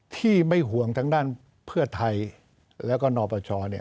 ที่ไม่ห่วงทั้งด้านเพื่อไทยแล้วก็นประชรเนี่ย